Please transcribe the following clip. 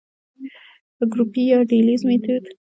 ګروپي يا ډلييز ميتود: